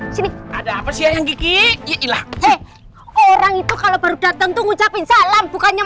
sini ada apa sih yang gigi ya hilang eh orang itu kalau baru datang tuh ngucapin salam bukannya